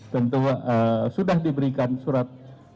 tentu sudah diberikan surat